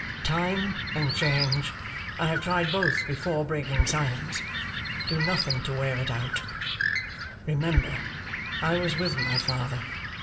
Time and change (I have tried both before breaking silence) do nothing to wear it out. Remember, I was with my father.